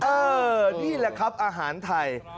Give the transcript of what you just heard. เออนี่ล่ะครับอาหารไทย